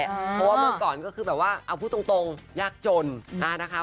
เพราะว่าเมื่อก่อนก็คือแบบว่าเอาพูดตรงยากจนนะคะ